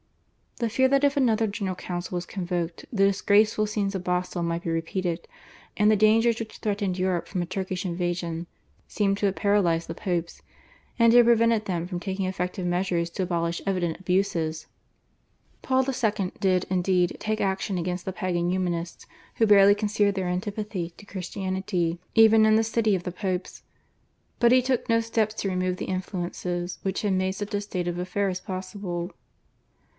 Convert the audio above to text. The fear that if another General Council were convoked the disgraceful scenes of Basle might be repeated, and the dangers which threatened Europe from a Turkish invasion, seem to have paralysed the Popes, and to have prevented them from taking effective measures to abolish evident abuses. Paul II. did, indeed, take action against the Pagan Humanists who barely concealed their antipathy to Christianity even in the city of the Popes, but he took no steps to remove the influences which had made such a state of affairs possible.